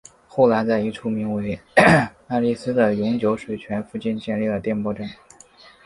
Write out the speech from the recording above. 后来在一处名为爱丽斯的永久水泉附近建立了电报站。